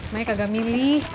mai kagak milih